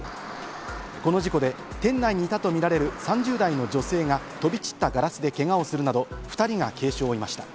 この事故で店内にいたとみられる３０代の女性が飛び散ったガラスでけがをするなど２人が軽傷を負いました。